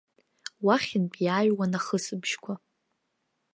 Уахьынтә иааҩуан ахысыбжьқәа.